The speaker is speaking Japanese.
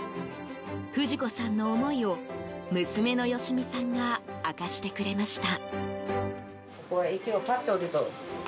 不二子さんの思いを娘の良美さんが明かしてくれました。